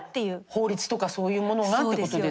法律とかそういうものがってことですか。